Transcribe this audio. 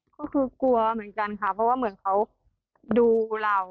ก็คือกลัวเหมือนกันค่ะเพราะว่าเหมือนเขาดูเรา